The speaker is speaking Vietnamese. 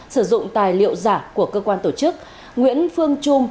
sử dụng tài liệu giả của cơ quan tổ chức nguyễn phương trung